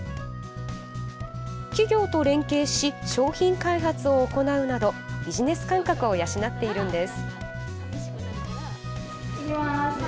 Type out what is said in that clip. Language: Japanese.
企業と連携し商品開発を行うなどビジネス感覚を養っているんです。